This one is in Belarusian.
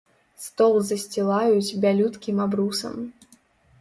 Стол засцілаюць бялюткім абрусам.